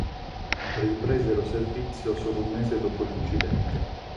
Ripresero servizio solo un mese dopo l'incidente.